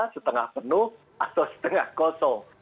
setengah penuh atau setengah kosong